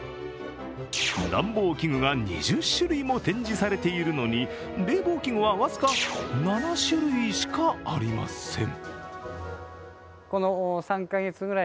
暖房器具が２０種類も展示されているのに冷房器具は僅か７種類しかありません。